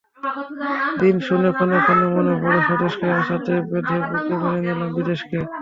দিন গুনে ক্ষণে ক্ষণে মনে পড়ে স্বদেশকে, আশাতে বেঁধে বুক মেনে নিলাম বিদেশকে।